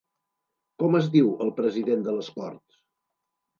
Com es diu el president de les corts?